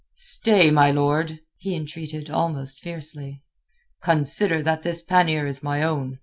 "Stay, my lord!" he entreated almost fiercely. "Consider that this pannier is my own.